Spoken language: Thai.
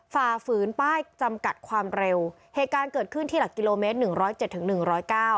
ฝ่าฝืนป้ายจำกัดความเร็วเหตุการณ์เกิดขึ้นที่หลักกิโลเมตรหนึ่งร้อยเจ็ดถึงหนึ่งร้อยเก้า